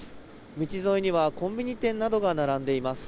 道沿いにはコンビニ店などが並んでいます。